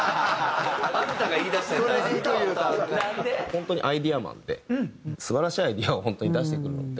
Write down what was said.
本当にアイデアマンで素晴らしいアイデアを本当に出してくるので。